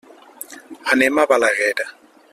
Anem a Balaguer.